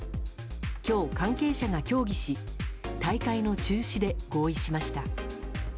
今日、関係者が協議し大会の中止で合意しました。